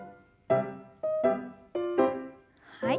はい。